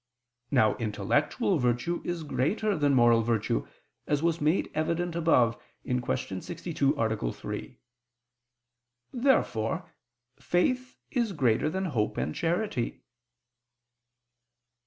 Now intellectual virtue is greater than moral virtue, as was made evident above (Q. 62, A. 3). Therefore faith is greater than hope and charity.